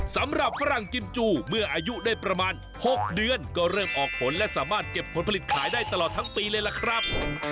ฝรั่งกิมจูเมื่ออายุได้ประมาณ๖เดือนก็เริ่มออกผลและสามารถเก็บผลผลิตขายได้ตลอดทั้งปีเลยล่ะครับ